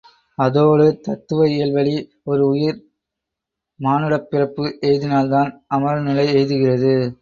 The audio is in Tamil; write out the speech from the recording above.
அதோடு தத்துவ இயல்வழி ஒரு உயிர் மானுடப் பிறப்பு எய்தினால்தான் அமரநிலை எய்துகிறது.